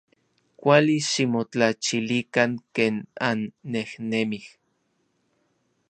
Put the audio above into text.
Kuali ximotlachilikan ken annejnemij.